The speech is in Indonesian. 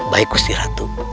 baik gusti ratu